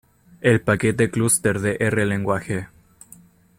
El paquete clúster de R-lenguaje